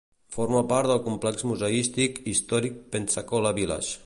Forma part del complex museístic "Historic Pensacola Village".